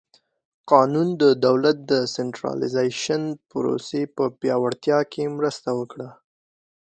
قانون د دولت د سنټرالیزېشن پروسې په پیاوړتیا کې مرسته وکړه.